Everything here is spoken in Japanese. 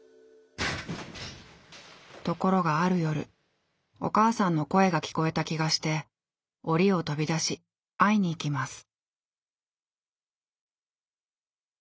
ところがある夜お母さんの声が聞こえた気がして檻を飛び出し会いに行きます。